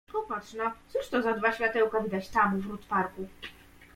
"Popatrz no, cóż to za dwa światełka widać tam u wrót parku?"